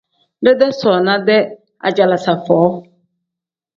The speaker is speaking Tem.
Deedee soona-dee ajalaaza foo.